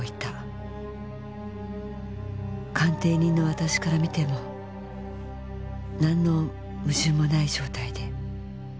鑑定人の私から見てもなんの矛盾もない状態で。